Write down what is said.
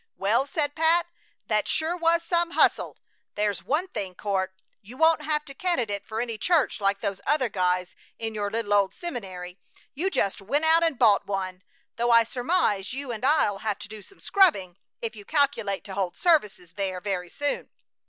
"Well," said Pat, "that sure was some hustle! There's one thing, Court. You won't have to candidate for any church like those other guys in your little old seminary. You just went out and bought one; though I surmise you and I'll have to do some scrubbing if you calculate to hold services there very soon."